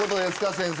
先生。